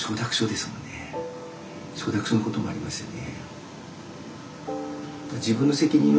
承諾書のこともありますよね。